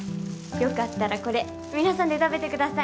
よかったらこれ皆さんで食べてください